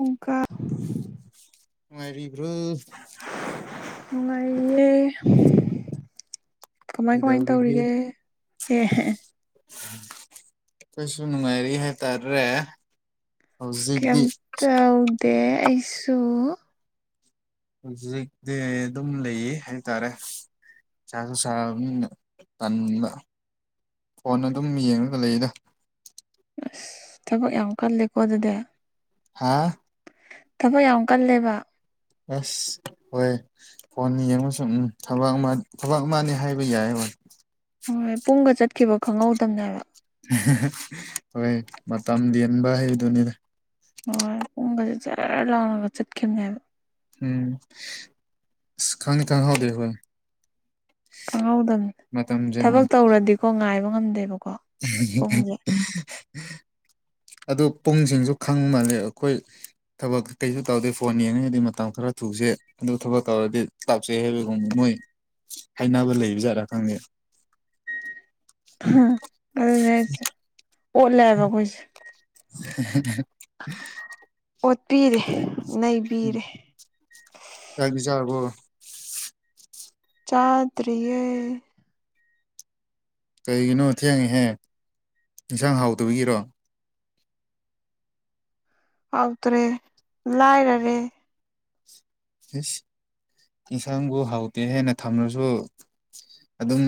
okay ꯃꯅꯨꯡꯕ꯭ꯔꯣꯜ ꯅꯨꯡꯉꯥꯏꯦ ꯀꯃꯥꯏ ꯀꯃꯥꯏꯅ ꯀꯩꯗꯧꯔꯤꯒꯦ ꯇꯧꯔꯤꯒꯦ ꯑꯦꯍ ꯀꯩꯁꯨ ꯅꯨꯡꯉꯥꯏꯔꯤ ꯍꯥꯏꯇꯥꯔ꯭ꯔꯦ ꯀꯩꯝ ꯇꯧꯗꯦ ꯑꯩꯁꯨ ꯍꯧꯖꯤꯛꯇꯤ ꯑꯗꯨꯝ ꯂꯩꯌꯦ ꯍꯥꯏꯇꯥꯔꯦ ꯆꯒ ꯆ ꯇꯟꯗ ꯐꯣꯟ ꯑꯗꯨꯝ ꯌꯦꯡꯉꯒ ꯂꯩꯌꯦꯗ ꯑꯁ ꯊꯕꯛ ꯌꯥꯝ ꯀꯜꯂꯦꯀꯣ ꯑꯗꯨꯗꯤ ꯍꯥꯥ ꯊꯕꯛ ꯌꯥꯝ ꯀꯜꯂꯦꯕ ꯑꯁ ꯍꯣꯏ ꯐꯣꯟ ꯌꯦꯡ ꯎꯝ ꯊꯕꯛ ꯊꯕꯛ ꯑꯃꯅꯦ ꯍꯥꯏꯕ ꯌꯥꯏ ꯍꯣꯏ ꯍꯣꯏ ꯄꯨꯡꯒ ꯆꯠꯈꯤꯕ ꯈꯪꯍꯧꯗꯗꯝꯅꯦꯕ ꯍꯣꯏ ꯃꯇꯝ ꯌꯦꯟꯕ ꯍꯩꯗꯨꯅꯤꯗ ꯍꯣꯏ ꯄꯨꯡꯒꯁ ꯖꯔ ꯂꯥꯎꯉꯒ ꯆꯠꯈꯤꯕꯅꯦꯕ ꯎꯝ ꯈꯉ ꯊꯉꯗ ꯍꯣꯏ ꯈꯪꯍꯧꯗꯝ ꯃꯇꯝꯁꯦ ꯊꯕꯛ ꯇꯧꯔꯗꯤꯀꯣ ꯉꯥꯏꯕ ꯉꯝꯗꯦꯕꯣ ꯎ [inaudible] ꯑꯗꯨ ꯄꯨꯡꯁꯤꯡꯁꯨ ꯈꯪ ꯃꯥꯜꯜꯂꯤꯦ ꯑꯩꯈꯣꯏ ꯊꯕꯛ ꯀꯩꯁꯨ ꯇꯧꯗꯦ ꯐꯣꯟ ꯌꯦꯡꯉꯉꯩꯗꯤ ꯃꯇꯝ ꯈꯔ ꯊꯨꯁꯦ ꯑꯗꯨ ꯊꯕꯛ ꯇꯧꯔꯗꯤ ꯀ꯭ꯂꯞꯁꯦ ꯍꯥꯏꯕꯒꯪꯕ ꯃꯣꯏ ꯍꯥꯏꯅꯕ ꯂꯩꯕꯖꯥꯠꯥ ꯈꯪꯗꯦ ꯑꯗꯨꯅꯦ ꯑꯩꯁꯦ ꯑꯣꯠꯂꯦꯕ ꯑꯩꯈꯣꯏꯁꯦ [unintelligible] ꯑꯣꯠꯄꯤꯔꯦ ꯎꯝ ꯅꯩꯕꯤꯔꯦ ꯀꯥꯏꯒꯤ ꯆꯥꯔꯕꯣ ꯆꯥꯗꯔꯤꯌꯦ ꯀꯩꯒꯤꯅꯣ ꯊꯦꯡꯉꯦꯍꯦ ꯏꯟꯁꯥꯡ ꯍꯥꯎꯗꯕꯒꯤꯔꯣ ꯑꯐꯗꯔꯦ ꯂꯥꯏꯔꯦ ꯑꯁ ꯌꯦꯟꯁꯥꯡꯕꯨ ꯍꯥꯎꯇꯦ ꯍꯦꯟꯅ ꯊꯝꯂꯁꯨ ꯑꯗꯨꯝ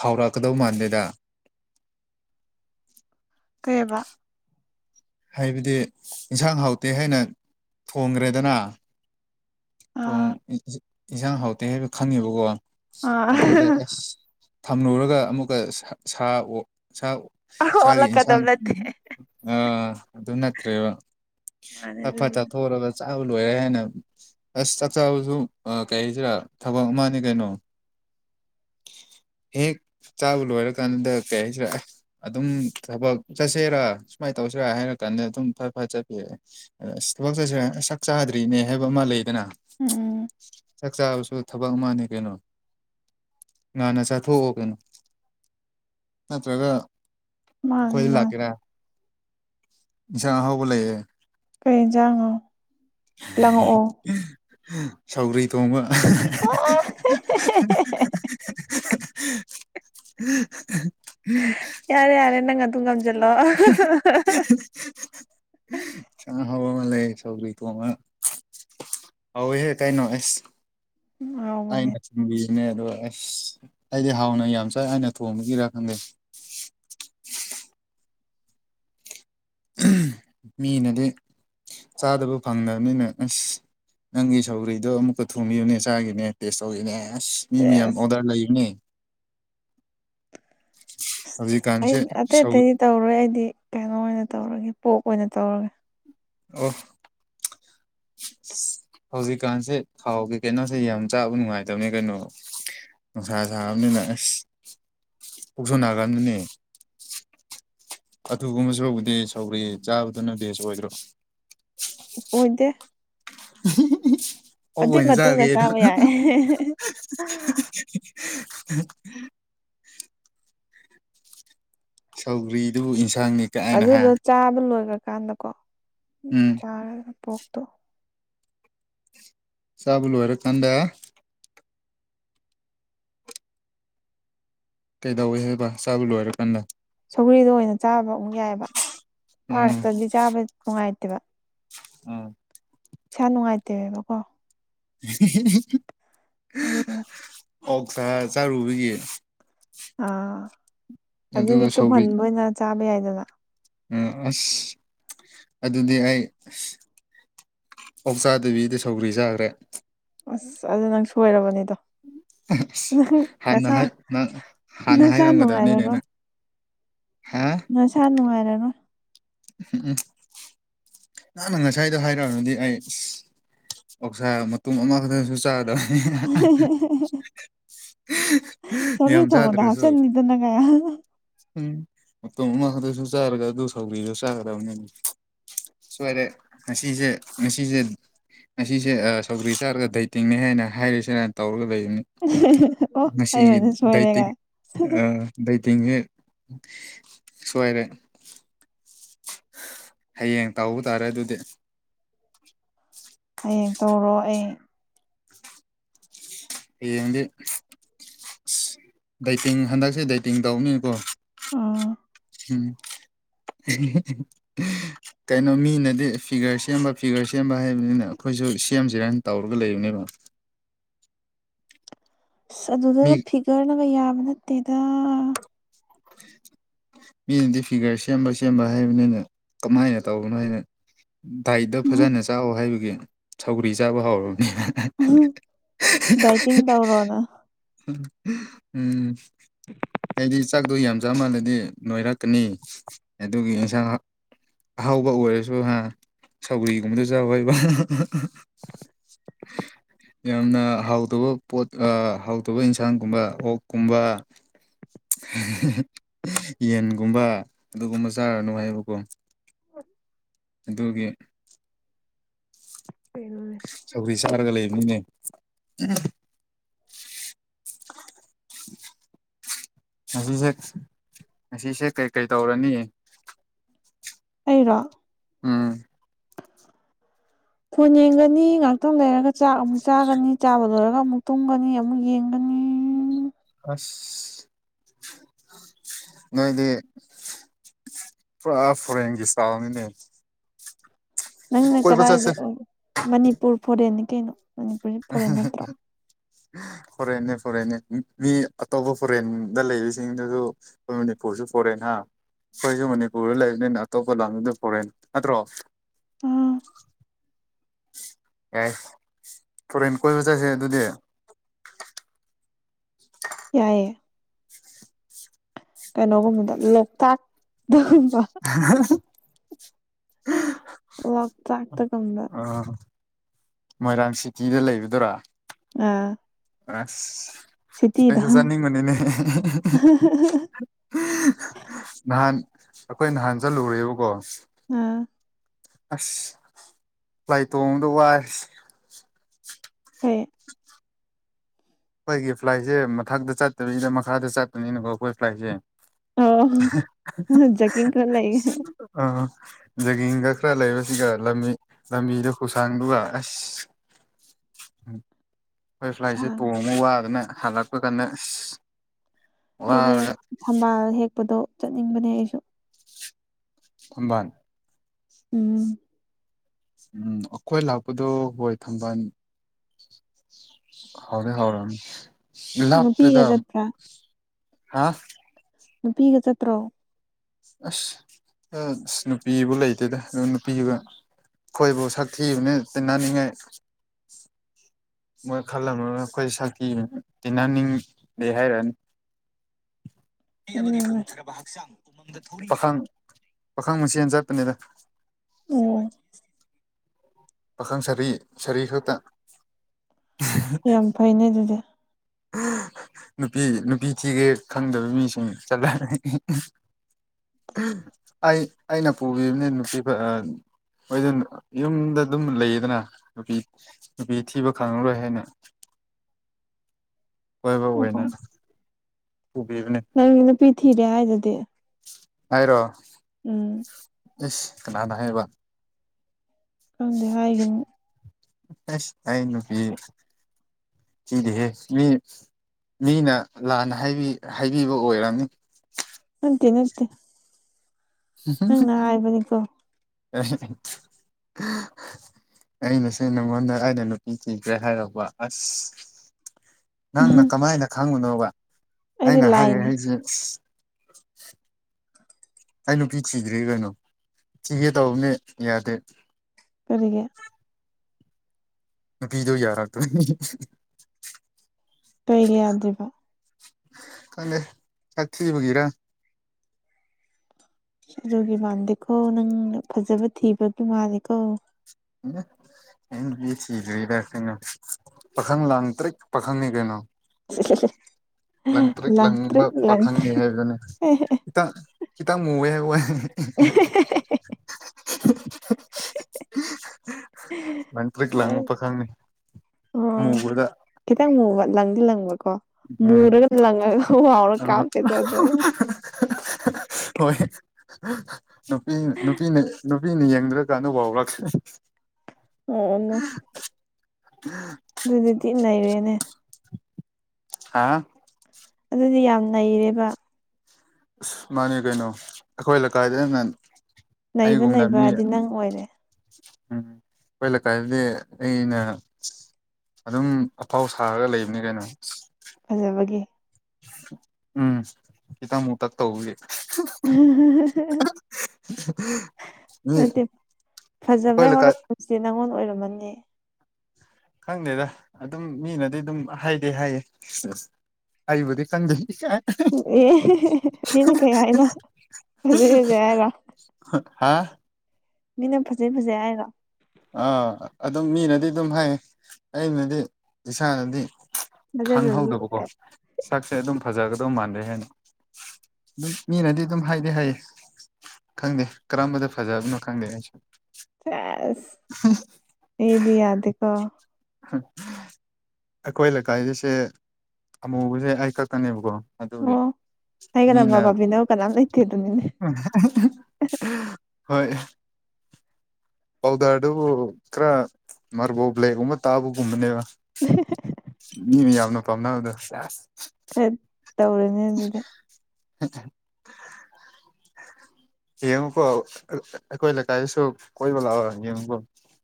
ꯍꯥꯎꯔꯛꯀꯗꯧ ꯃꯥꯟꯗꯦꯗ ꯀꯩꯕ ꯍꯥꯏꯕꯗꯤ ꯌꯦꯟꯁꯥꯡ ꯍꯥꯎꯇꯦ ꯍꯥꯏꯅ ꯊꯣꯡꯈ꯭ꯔꯦꯗꯅ ꯑ ꯣꯡ ꯏꯟꯁꯥꯡ ꯍꯥꯎꯇꯦ ꯍꯥꯏꯕ ꯈꯪꯉꯦꯕꯀꯣ ꯑ ꯑꯗꯨꯗ ꯑꯁ ꯊꯝꯂꯨꯔꯒ ꯑꯃꯨꯛꯀ ꯁꯥ ꯑꯣ ꯆꯥꯛ ꯆꯒꯤ ꯌꯦꯟꯁꯥꯡ ꯑꯣꯜꯂꯛꯀꯗꯕ ꯅꯠꯇꯦ ꯑꯥ ꯑꯗꯨ ꯅꯠꯇ꯭ꯔꯦꯕ ꯃꯥꯅꯦ ꯐꯠ ꯐꯠ ꯑꯗꯨꯕꯨꯗꯤ ꯆꯥꯊꯣꯛꯑꯒ ꯆꯥꯕ ꯂꯣꯏꯔꯦ ꯍꯥꯏꯅ ꯑꯁ ꯆꯥꯛꯆꯥꯕꯁꯨ ꯀꯩ ꯍꯥꯏꯁꯤꯔꯥ ꯊꯕꯛ ꯑꯃꯅꯤꯅꯦ ꯀꯩꯅꯣ [unintelligible] ꯍꯦꯛ ꯆꯥꯕ ꯂꯣꯏꯔ ꯀꯥꯟꯗ ꯀꯩ ꯍꯥꯏꯁꯤꯔ ꯑꯗꯨꯝ ꯊꯕꯛ ꯆꯠꯁꯦꯔꯥ ꯁꯨꯃꯥꯏꯅ ꯇꯧꯁꯤꯔꯥ ꯍꯥꯏꯔ ꯀꯥꯟꯗ ꯑꯗꯨꯝ ꯐꯠ ꯐꯠ ꯆꯠꯄꯤꯔꯛꯑꯦ ꯑ ꯊꯕꯛ ꯆꯠꯁꯤꯔꯦ ꯁꯛ ꯆꯥꯗ꯭ꯔꯤꯅꯦ ꯍꯥꯏꯕ ꯑꯃ ꯂꯩ ꯎꯝ ꯆꯥꯛ ꯆꯥꯕꯁꯨ ꯊꯕꯛ ꯑꯃꯅꯤ ꯀꯩꯅꯣ ꯉꯥꯟꯟꯅ ꯆꯥꯊꯣꯛꯑꯣ ꯀꯩꯅꯣ ꯅꯠꯇ꯭ꯔꯒ ꯃꯥꯅꯦ ꯑꯩꯈꯣꯏꯗ ꯃꯥꯅꯦ ꯂꯥꯛꯀꯦꯔ ꯌꯥ ꯍꯣꯕꯣ ꯂꯩ ꯀꯩꯖꯉꯣ ꯁꯧꯒ꯭ꯔꯤ ꯊꯣꯡꯕ ꯑ [unintelligible] ꯌꯥꯔꯦ ꯌꯥꯔꯦ ꯅꯪ ꯑꯗꯨꯝ ꯉꯝꯖꯜꯂꯣ ꯎꯝ ꯑ ꯍ ꯂꯩ ꯁꯧꯀ ꯍꯧꯏ ꯍꯦ ꯀꯥꯏ ꯅ ꯑꯦꯁ ꯉꯥꯎꯕꯅꯦ ꯑꯅꯆꯕꯤ ꯅꯦ ꯑꯗꯣ ꯑꯁ ꯑꯩꯗꯤ ꯍꯥꯎꯅ ꯌꯥꯝ ꯆꯥꯏ ꯍꯥꯏꯅ ꯊꯣꯡꯕꯒꯤꯔꯥ ꯈꯪꯗꯦ [unintelligible] ꯃꯤꯅꯗꯤ ꯆꯥꯗꯕ ꯐꯪꯗꯕꯅꯤꯅ ꯑꯁ ꯅꯪꯒꯤ ꯁꯧꯔꯤꯗꯣ ꯑꯃꯨꯛꯀ ꯊꯣꯡꯕꯤꯕꯅꯦ ꯆꯥꯒꯤꯅꯦ ꯇꯦꯁ ꯇꯧꯤꯅꯦ ꯑꯁ ꯄꯤꯃꯤꯌꯝ ꯑꯁ ꯑꯣꯗꯔ ꯂꯩꯅꯦ ꯑꯩ ꯑꯇꯩ ꯑꯇꯩꯗꯤ ꯇꯧꯔꯣꯏ ꯑꯩꯗꯤ ꯀꯩꯅꯣ ꯑꯣꯏꯅ ꯇꯧꯔꯒꯦ ꯄꯣꯛ ꯑꯣꯏꯅ ꯇꯧꯔꯒꯦ ꯑꯣ ꯍꯧꯖꯤꯛꯀꯥꯟꯁꯦ ꯊꯥꯎꯒꯤ ꯀꯩꯅꯅꯥꯁꯦ ꯌꯥꯝ ꯆꯥꯕ ꯅꯨꯡꯉꯥꯏꯇꯕꯅꯦ ꯀꯩꯅꯣ ꯅꯨꯡꯁꯥ ꯁꯥꯕꯅꯤꯅ ꯑꯁ ꯀꯣꯛꯁꯣꯟ ꯒ꯭ꯔꯕꯅꯤꯅꯦ ꯑꯗꯨꯒꯨꯝꯕꯁꯨ ꯍꯧꯕꯗꯤ ꯁꯧꯔꯤ ꯆꯥꯕꯗꯨꯅ ꯕꯦꯁ ꯑꯣꯏꯗ꯭ꯔꯣ ꯍꯣꯏꯗꯦ [unintelligible] ꯑꯗꯨꯏ ꯑꯣꯏꯅ ꯃꯇꯨꯡꯗ ꯆꯥꯒꯦꯗ ꯆꯥꯕ ꯌꯥꯏꯦ [unintelligible] ꯁꯧꯒ꯭ꯔꯤꯗꯨꯕꯨ ꯏꯟꯁꯥꯡꯅꯤ ꯀꯥꯏꯅ ꯍꯥ ꯑꯗꯨꯗꯣ ꯆꯥꯕ ꯂꯣꯏꯈ꯭ꯔꯀꯥꯟꯗꯀꯣ ꯎꯝ ꯆꯥꯔꯒ ꯄꯣꯛꯇꯣ ꯁꯥꯕꯨꯂꯨ ꯍꯥꯏꯔ ꯀꯥꯟꯗ ꯀꯩꯗꯧꯏ ꯍꯥꯏꯕ ꯁꯥꯕ ꯂꯣꯏꯔꯀꯥꯟꯗ ꯁꯧꯒ꯭ꯔꯤꯗꯣ ꯑꯣꯏꯅ ꯆꯥꯕ ꯑꯃꯨꯛ ꯌꯥꯏꯑꯕ ꯎꯝ ꯐꯥꯔꯁꯇꯗꯤ ꯆꯥꯕ ꯅꯨꯡꯉꯥꯏꯇꯦꯕ ꯑꯥ ꯁ ꯅꯨꯡꯉꯥꯏꯇꯕ ꯀꯣ [unintelligible] ꯎꯝ ꯑꯣ ꯁꯥ ꯆꯥꯔꯨꯕꯒꯤꯌꯦ ꯑꯥ ꯑꯗꯨꯒꯤ ꯁꯧꯒ꯭ꯔꯤ ꯇꯨꯝꯍꯟꯕ ꯑꯣꯏꯅ ꯆꯥꯕ ꯌꯥꯏꯗꯅ ꯎꯝ ꯑꯁ ꯑꯗꯨꯗꯤ ꯑꯩ ꯑꯁ ꯑꯣꯛ ꯆꯥꯗꯕꯤꯗ ꯁꯧꯒ꯭ꯔꯤ ꯆꯥꯈ꯭ꯔꯦ ꯑꯁ ꯑꯗꯨ ꯅꯪ ꯁꯣꯏꯔꯕꯅꯤꯗꯣ ꯑꯁ ꯎ ꯍꯥꯟꯅ ꯃꯆꯥꯥ ꯍꯥꯏ ꯅꯪ ꯍꯥꯟꯅ ꯃꯆꯥꯥ ꯍꯥꯏꯔꯝꯒꯗꯕꯅꯤꯅꯦ ꯅꯨꯡꯉꯥꯏꯔꯔꯣꯏ ꯅꯪ ꯍꯥ ꯅꯁꯥ ꯅꯨꯡꯉꯥꯏꯔꯅ ꯎꯝ ꯅꯍꯪꯅ ꯉꯁꯥꯏꯗꯣ ꯍꯥꯏꯔꯛꯑꯅꯗꯤ ꯑꯩ ꯄꯧꯁꯥ ꯃꯇꯨꯝ ꯑꯃꯈꯛꯇꯪꯁꯨ ꯆꯥꯗꯕ [unintelligible] ꯁꯧꯒ꯭ꯔꯤ ꯌꯥꯝ ꯊꯣꯡꯕꯗ ꯆꯥꯗ꯭ꯔꯁꯨ ꯍꯥꯞꯆꯟꯅꯤꯗꯅ ꯀꯥꯏ ꯎꯝ ꯁꯨ ꯆꯥꯔꯒ ꯑꯗꯨ ꯁꯥꯎꯖ ꯆꯥꯒꯅꯤ ꯁꯣꯏꯏꯔꯦ ꯉꯁꯤꯁꯦ ꯉꯁꯤꯁꯦ ꯉꯁꯤꯁꯦ ꯁꯧꯒ꯭ꯔꯤ ꯆꯥꯔꯒ ꯇꯤꯡꯅꯤ ꯍꯥꯏꯅ ꯍꯥꯏꯔꯤꯁꯤꯦꯅꯅ ꯇꯧꯔꯒ ꯂꯩ ꯑꯣ ꯑꯩ ꯉꯁꯤꯒꯤ ꯑꯣꯏꯅ ꯁꯣꯏꯔꯦꯒ ꯗꯥꯇꯤꯡ ꯗꯥꯇꯤꯡꯉꯦ ꯁꯏꯔꯦ ꯍꯌꯦꯡ ꯇꯥꯎ ꯇꯥꯔꯦ ꯑꯗꯨꯗꯤ ꯍꯌꯦꯡ ꯇꯧꯔꯣ ꯑꯩ ꯍꯌꯦꯡꯗꯤ ꯗꯥꯏꯇꯤꯡ ꯍꯟꯗꯛꯁꯦ ꯗꯥꯏꯇꯤꯡ ꯇꯧꯅꯤꯀꯣ ꯑ ꯎꯝ ꯀꯩꯅꯣ ꯃꯤꯅꯗꯤ ꯐꯤꯒꯔ ꯁꯦꯝꯕ ꯐꯤꯒꯔ ꯁꯦꯝꯕ ꯍꯥꯏꯕꯅꯤꯅ ꯑꯩꯈꯣꯏ ꯑꯩꯈꯣꯏꯁꯨ ꯁꯦꯝꯁꯤꯔꯅ ꯇꯧꯔꯒ ꯂꯩꯕꯅꯦꯕ [unintelligible] ꯑꯁ ꯃꯤ ꯑꯗꯨꯗꯒ ꯐꯤꯒꯔꯅꯒ ꯌꯥꯕ ꯅꯠꯇꯦꯗ ꯃꯤꯅꯗꯤ ꯐꯤꯒꯔ ꯁꯦꯝꯕ ꯁꯦꯝꯕ ꯍꯥꯏꯕꯅꯤꯅ ꯀꯃꯥꯏꯅ ꯇꯧꯕꯅꯣ ꯍꯥꯏꯅ ꯗꯥꯏꯠꯇ ꯐꯖꯅ ꯆꯥꯛꯑꯣ ꯍꯥꯏꯕꯒꯤ ꯁꯧꯒ꯭ꯔꯤ ꯆꯥꯕ ꯍꯧꯔꯅꯤ ꯗꯥꯏꯇꯤꯡ ꯇꯧꯔꯣꯅ ꯎꯝ ꯍꯥꯏꯗꯤ ꯍꯇꯥꯛꯇꯣ ꯌꯥꯝ ꯆꯞ ꯃꯥꯜꯂꯗꯤ ꯅꯣꯏꯔꯛꯀꯅꯤ ꯑꯗꯨꯒꯤ ꯑꯦꯟꯁꯥꯡ ꯑꯍꯥꯎꯕ ꯑꯣꯏꯔꯁꯨ ꯍꯥ ꯁꯧꯒꯔꯤꯒꯨꯝꯕꯗ ꯆꯥꯎꯋꯩꯕ [unintelligible] ꯌꯥꯝꯅ ꯍꯥꯎꯇꯕ ꯄꯣꯠ ꯍꯥꯎꯇꯕ ꯏꯟꯁꯥꯡꯒꯨꯝꯕ ꯑꯣꯛꯀꯨꯝꯕ [unintelligible] ꯌꯦꯟꯒꯨꯝꯕ ꯑꯗꯨꯒꯨꯝꯕ ꯆꯥꯔꯅꯨ ꯍꯥꯏꯕꯀꯣ ꯎꯝ ꯑꯗꯨꯒꯤ ꯀꯩꯅꯣꯅꯦ ꯆꯧꯔꯤ ꯁꯔꯒ ꯂꯩꯕꯅꯤꯅꯦ [unintelligible] ꯉꯁꯤꯁꯦ ꯉꯁꯤꯁꯦ ꯀꯩꯀꯩ ꯇꯧꯔꯅꯤ ꯑꯩꯔꯣ ꯎꯝ ꯊꯣꯟ ꯌꯦꯡꯒꯅꯤ ꯉꯥꯛꯇꯪ ꯂꯩꯔꯒ ꯆꯥꯛ ꯑꯃꯨꯛ ꯆꯥꯒꯅꯤ ꯆꯥꯕ ꯂꯣꯏꯔꯒ ꯈ ꯑꯃꯨꯛ ꯇꯨꯝꯒꯅꯤ ꯑꯃꯨꯛ ꯌꯦꯡꯒꯅꯤ ꯑꯁ ꯅꯣꯏꯗꯤ ꯄꯨꯔꯥ ꯐꯣꯔꯦꯟꯒꯤ ꯆꯥꯎꯥꯎꯅꯤꯅꯦ ꯅꯪꯅ ꯀꯗꯥꯏꯗ ꯃꯅꯤꯄꯨꯔ ꯐꯣꯔꯦꯅꯤ ꯀꯩꯅꯣ ꯃꯅꯤꯄꯨꯔꯁꯤ ꯐꯣꯔꯦꯟ ꯅꯠꯇ꯭ꯔꯣ ꯐꯔꯅꯦ ꯐꯔꯅꯦ ꯃꯤ ꯑꯇꯣꯞꯄ ꯐꯣꯔꯦꯟꯗ ꯂꯩꯕꯁꯤꯡꯗꯨꯁꯨ ꯑꯩꯈꯣꯏ ꯃꯅꯤꯄꯨꯔꯁꯨ ꯐꯣꯔꯦꯟ ꯍꯥ ꯑꯩꯈꯣꯏꯁꯨ ꯃꯅꯤꯄꯨꯔꯗ ꯂꯩꯕꯅꯤꯅ ꯑꯇꯣꯞꯄ ꯂꯝꯗꯨꯗ ꯐꯣꯔꯦꯟ ꯅꯠꯇ꯭ꯔꯣ ꯑ ꯌꯥꯏ ꯐꯣꯔꯦꯟꯦꯟ ꯀꯣꯏꯕ ꯆꯠꯁꯦ ꯑꯗꯨꯗꯤ ꯌꯥꯌꯦ ꯀꯩꯅꯣꯒꯨꯝꯕꯗ ꯂꯣꯛꯇꯥꯛ ꯂꯣꯛꯇꯥꯛꯇꯒꯨꯝꯕ ꯑ ꯃꯣꯏꯔꯥꯡ ꯁꯤꯇꯤꯗ ꯂꯩꯕꯗꯔꯥ ꯑꯥ ꯑꯁ ꯁꯤꯇꯤꯗ ꯑꯩꯁꯨ ꯆꯥꯅꯤꯡꯕꯅꯤꯅꯦ ꯅꯍꯥꯟ ꯑꯩꯈꯣꯏ ꯅꯍꯥꯟ ꯆꯜꯂꯨꯔꯦꯕꯀꯣ ꯑꯥ ꯑꯁ ꯂꯥꯏ ꯇꯣꯡꯕꯗ ꯋꯥꯏꯁ ꯍ ꯑꯩꯈꯣꯏꯒꯤ ꯐ꯭ꯂꯥꯏꯠꯁꯦ ꯃꯊꯛꯇ ꯆꯠꯇꯕꯤꯗ ꯃꯈꯥꯗ ꯆꯠꯄꯅꯤꯅꯀꯣ ꯑꯩꯈꯣꯏ ꯐ꯭ꯂꯥꯏꯠꯁꯦ ꯑꯣ ꯖꯀꯤꯡ ꯈꯔ ꯂꯩ ꯑ ꯖꯒꯤꯡꯒ ꯈꯔ ꯂꯩꯕꯁꯤꯒ ꯂꯝ ꯂꯝꯕꯤꯗ ꯈꯨꯁꯥꯡꯗꯨꯒ ꯑꯁ ꯎꯝ ꯍꯣꯏ ꯐ꯭ꯂꯥꯏꯠꯁꯦ ꯇꯣꯡꯉ ꯋꯥꯗꯅ ꯍꯜꯂꯛꯄ ꯀꯥꯟꯗ ꯑꯩꯗꯤ ꯋꯥꯔꯒ ꯊꯝꯕꯥꯜ ꯍꯦꯛꯄꯗꯣ ꯆꯠꯅꯤꯡꯕꯅꯦ ꯑꯩꯁꯨ ꯊꯝꯕꯥꯜ ꯎꯝ ꯎꯝ ꯑꯩꯈꯣꯏ ꯂꯥꯛꯄꯗꯣ ꯍꯣꯏ ꯊꯝꯕꯥꯜ ꯍꯧꯗ ꯍꯧꯥꯎꯔꯅꯤ ꯅꯨꯄꯤꯒ ꯆꯠꯠꯇ꯭ꯔꯥ ꯑꯥ ꯅꯨꯄꯤꯒ ꯆꯠꯇ꯭ꯔꯣ ꯑꯁ ꯑꯁ ꯅꯨꯄꯤꯕꯨ ꯂꯩꯇꯦꯗ ꯅꯨꯄꯤꯒ ꯑꯩꯈꯣꯏꯕꯨ ꯁꯛ ꯊꯤꯕꯅ ꯇꯤꯟꯅꯅꯤꯡꯉꯥꯏ ꯃꯣꯏ ꯈꯜꯕ ꯑꯩꯈꯣꯏ ꯁꯛꯇꯤ ꯇꯤꯍꯅꯤꯡꯗꯦ ꯍꯥꯏꯔꯛꯅꯤ ꯑꯃꯒꯤ ꯃꯊꯔꯕ ꯍꯛꯆꯥꯡ ꯎꯃꯪꯗ ꯊꯧꯔꯤ ꯌꯥꯗꯨ ꯈꯈꯪꯁꯤꯅ ꯆꯠꯄꯅꯤꯗ ꯑꯣ ꯄꯥꯈꯪ ꯁꯔꯤ ꯁꯔꯤ ꯈꯛꯇ ꯌꯥꯝ ꯐꯩꯅꯦ ꯑꯗꯨꯗꯤ ꯅꯨꯄꯤ ꯅꯨꯄꯤ ꯊꯤꯒꯦ ꯈꯪꯗꯕ ꯃꯤꯁꯤꯡ ꯆꯠꯂꯅꯤ ꯑꯩ ꯑꯩꯅ ꯄꯨꯕꯤꯕꯅꯤ ꯅꯨꯄꯤ ꯍꯣꯏ ꯑꯗꯨꯅ ꯌꯨꯝꯗ ꯑꯗꯨꯝ ꯂꯩꯌꯦꯗꯅ ꯅꯨꯄꯤ ꯅꯨꯄꯤ ꯊꯤꯕ ꯈꯪꯉꯔꯣꯏ ꯍꯥꯏꯅ [inaudible] ꯍꯣꯏꯕ ꯑꯣ ꯑꯣꯏꯅ ꯄꯨꯕꯤꯕꯅꯦ ꯅꯪ ꯅꯨꯄꯤ ꯊꯤꯔꯦ ꯍꯥꯏꯗꯨꯗꯤ ꯍꯥꯏꯔꯣ ꯎꯝ ꯏꯁ ꯀꯅꯥꯅ ꯍꯥꯏꯕ ꯑꯗꯨꯗꯤ ꯍꯥꯏꯒ ꯑꯁ ꯑꯩ ꯅꯨꯄꯤ ꯀꯗꯤꯦꯍꯦ ꯃꯤ ꯃꯤꯅ ꯂꯥꯟꯅ ꯍꯥꯏꯕꯤꯕ ꯑꯣꯏꯔꯝꯅꯤ ꯅꯠꯇꯦ ꯅꯠꯇꯦ ꯅꯪꯅ ꯍꯥꯏꯕꯅꯤꯀꯣ ꯑ [unintelligible] [inaudible] ꯑꯩꯅꯁꯦ ꯅꯉꯣꯟꯗ ꯑꯗ ꯅꯨꯄꯤ ꯊꯤꯈ꯭ꯔꯦ ꯍꯥꯏꯔꯕ ꯑꯁ ꯅꯪꯅ ꯀꯃꯥꯏꯅ ꯈꯪꯉꯨꯅꯣꯕ ꯑꯩꯗꯤ ꯑꯩꯅ ꯍꯥꯏꯌꯦ ꯂꯥꯏꯅꯤ ꯑꯩꯁꯦ [inaudible] ꯑꯩ ꯅꯨꯄꯤ ꯊꯤꯗ꯭ꯔꯤ ꯀꯩꯅꯣ ꯊꯤꯒꯦ ꯇꯧꯕꯅꯦ ꯌꯥꯗꯦ ꯑꯣꯏꯔꯤꯒ ꯅꯨꯄꯤꯗꯣ ꯌꯥꯔ ꯑꯗꯨ ꯀꯩ ꯌꯥꯗ꯭ꯔꯤꯕ ꯀ ꯆꯊꯒꯦꯔ ꯁꯖꯨꯒꯤ ꯃꯜꯗꯦꯀꯣ ꯅꯪꯅ ꯐꯖꯕ ꯊꯤꯕꯒꯤ ꯃꯥꯜꯂꯦꯀꯣ ꯑꯩꯅ ꯁꯤꯗ꯭ꯔꯤꯗ ꯀꯩꯅꯣ ꯄꯥꯈꯪ ꯂꯥꯡ ꯇ꯭ꯔ ꯄꯥꯈꯪꯅꯤ ꯀꯩꯅꯣ [unintelligible] ꯂꯪ ꯇ꯭ꯔꯠ ꯂꯪꯕ ꯂꯥꯡꯇ꯭ꯔꯤꯛ ꯂꯥꯡꯇ꯭ꯔꯤꯛ ꯄꯥꯈꯪꯅꯤ ꯍꯥꯏꯕꯗꯨꯅꯦ ꯈꯤꯇꯪ ꯈꯤꯇꯪ ꯃꯨꯋꯦ ꯍꯥꯏꯕ ꯋꯥ [unintelligible] ꯃꯟꯇ꯭ꯔꯔꯤꯛ ꯂꯥꯡꯨ ꯍꯥꯏ ꯄꯥꯈꯪꯅꯤ ꯑꯣ ꯃꯨꯕꯗ ꯈꯤꯇꯪ ꯃꯨꯕ ꯂꯪꯗꯤ ꯂꯪꯕꯀꯣ ꯎꯝ ꯃꯨꯔꯒ ꯂꯪꯉꯒ ꯋꯥꯎꯔ ꯑ ꯀꯥꯞꯇꯦ ꯆ ꯍꯣꯏ ꯅꯨꯄꯤ ꯅꯨꯄꯤꯅ ꯅꯨꯄꯤꯅ ꯌꯦꯡꯗ꯭ꯔꯀꯥꯟꯗ ꯋꯥꯥꯎꯔꯛꯦ ꯑꯅ ꯑ ꯑꯗꯨꯗꯤꯗꯤꯟꯅꯩꯔꯦꯅꯦ ꯍꯥ ꯑꯗꯨꯗꯤ ꯌꯥꯝ ꯅꯩꯔꯦꯕ ꯑꯁ ꯃꯥꯅꯤ ꯀꯩꯅꯣ ꯑꯩꯈꯣꯏ ꯂꯩꯀꯥꯏꯗꯟꯅ ꯅꯩꯕ ꯅꯩꯕꯗꯤ ꯅꯪ ꯑꯣꯏꯔꯦ ꯎꯝ ꯑꯩꯈꯣꯏ ꯂꯩꯀꯥꯏꯗꯤ ꯑꯩꯅ ꯑꯗꯨꯝ ꯑꯐꯥꯎ ꯁꯥꯔꯒ ꯂꯩꯕꯅꯤ ꯀꯩꯅꯣ ꯐꯖꯕꯒꯦ ꯎꯝ ꯏꯇꯃꯨ ꯇ ꯇꯧꯒ ꯑꯍꯍꯍꯍ ꯃꯤ ꯅꯠꯇꯦ ꯐꯖꯕ ꯑꯩꯈꯣꯏ ꯂꯩꯀꯥꯏ ꯍꯧꯎꯔꯛꯄꯁꯦ ꯅꯪꯉꯣꯟ ꯑꯣꯏꯔꯝꯃꯅꯤ ꯈꯪꯗꯦꯗ ꯑꯗꯨꯝ ꯃꯤꯅꯗꯤ ꯑꯗꯨꯝ ꯍꯥꯏꯗꯦ ꯍꯥꯏꯌꯦ ꯑ ꯑꯩꯕꯨꯗꯤ ꯈꯪꯗꯦ ꯑꯦ ꯃꯤꯅ ꯀꯩ ꯍꯥꯏꯅꯣ ꯐꯖꯩ ꯐꯖꯩ ꯍꯥꯏꯔ ꯍꯥ ꯃꯤꯅ ꯐꯖꯩ ꯐꯖꯩ ꯍꯥꯏꯔꯣ ꯑꯥ ꯑꯗꯨꯝ ꯃꯤꯅꯗꯤ ꯑꯗꯨꯝ ꯍꯥꯏ ꯑꯩꯅꯗꯤ ꯏꯁꯥꯅꯗꯤ ꯊꯥꯖꯗ꯭ꯔꯁꯨ ꯈꯪꯍꯧꯗꯕꯀꯣ ꯁꯛꯁꯦ ꯑꯗꯨꯝ ꯐꯖꯒꯗꯧ ꯃꯥꯟꯗꯩ ꯍꯥꯏꯅ ꯑꯗꯨꯝ ꯃꯤꯅꯗꯤ ꯑꯗꯨꯝ ꯍꯥꯏꯗꯤ ꯍꯥꯏꯌꯦ ꯈꯪꯗꯦ ꯀꯔꯝꯕꯗ ꯐꯖꯕꯅꯣ ꯈꯪꯗꯦ ꯑꯩꯁꯨ ꯆꯁ ꯌꯦꯗꯤ ꯌꯥꯗꯀ ꯑꯩꯈꯣꯏ ꯂꯩꯀꯥꯏꯒꯤꯁꯦ ꯑꯃꯨꯕꯁꯦ ꯑꯩ ꯀꯛꯀꯅꯦꯕꯀꯣ ꯑꯗꯨꯗꯒ ꯑꯣ ꯑꯩꯒ ꯃꯤꯅ ꯂꯝꯕꯥ ꯄꯥꯕꯤꯅꯕ ꯀꯅꯥꯝ ꯂꯩꯇꯦ ꯑꯗꯨꯅꯤꯅꯦ ꯍꯣꯏ ꯄꯥꯎꯗꯔꯗꯨꯕꯨ ꯈꯔ ꯃꯥꯔꯕꯣ ꯕ꯭ꯂꯦꯛꯒꯨꯝ ꯇꯥꯕꯒꯨꯝꯕꯅꯦꯕ [unintelligible] ꯃꯤꯅ ꯌꯥꯝꯅ ꯄꯥꯝꯅꯕꯗꯣ ꯀꯩ ꯇꯧꯔꯅꯤ ꯑꯗꯨꯗꯤ [unintelligible] ꯌꯦꯡꯉꯨꯀꯣ ꯑꯩꯈꯣꯏ ꯂꯩꯀꯥꯏꯗꯁꯨ ꯀꯣꯏꯕ ꯂꯥꯛꯑꯣ ꯌꯦꯡꯕ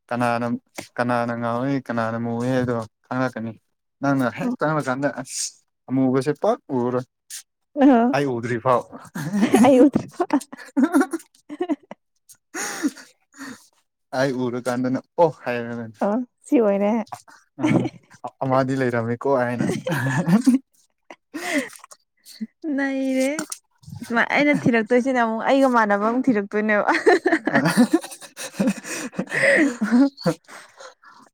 ꯀꯅꯥꯅ ꯀꯅꯥꯅ ꯉꯥꯎꯏ ꯀꯅꯥꯅ ꯃꯨꯏ ꯍꯥꯏꯗꯣ ꯈꯪꯉꯛꯀꯅꯤ ꯅꯪꯅ ꯍꯦꯛ ꯆꯪꯉꯀꯥꯟꯗ ꯑꯁ ꯑꯃꯨꯕꯁꯦ ꯄꯛ ꯎꯔꯣꯏ ꯑꯣ ꯑ ꯎꯗꯔꯤ ꯐꯥꯎ ꯑꯩ ꯎꯗ꯭ꯔꯣ [inaudible] ꯑꯩ ꯎꯔ ꯀꯥꯟꯗꯅ ꯑꯣ ꯑ ꯁꯤ ꯋꯥꯏ ꯎꯝ ꯑꯃꯗꯤꯗꯤ ꯂꯩꯔꯝꯃꯦꯀꯣ ꯍꯥꯏꯅ ꯅꯔꯦ ꯁꯨꯃꯥꯏ ꯑꯩꯅ ꯊꯤꯔꯛꯇꯣꯏꯁꯤꯅꯦ ꯑꯃꯨꯛ ꯑꯩꯒ ꯃꯥꯟꯅꯕ ꯃꯪ ꯊꯤꯔꯛꯇꯣꯏꯅꯦ ꯑꯥ